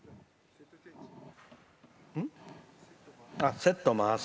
セット回す？